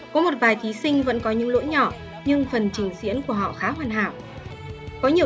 có một vài thí sinh vẫn có những lỗi nhỏ nhưng phần trình diễn của họ khá hoàn hảo có nhiều